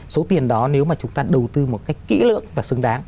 số tiền đó nếu mà chúng ta đầu tư một cách kỹ lưỡng và xứng đáng